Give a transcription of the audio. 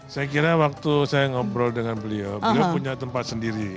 saya kira waktu saya ngobrol dengan beliau beliau punya tempat sendiri